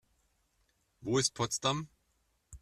Wo ist Potsdam?